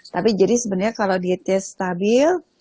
tapi jadi sebenarnya kalau dietnya stabil